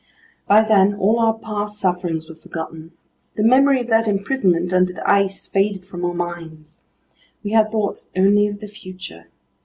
By then all our past sufferings were forgotten. The memory of that imprisonment under the ice faded from our minds. We had thoughts only of the future.